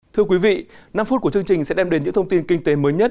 thưa quý vị năm phút của chương trình sẽ đem đến những thông tin kinh tế mới nhất